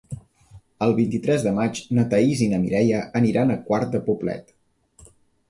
El vint-i-tres de maig na Thaís i na Mireia aniran a Quart de Poblet.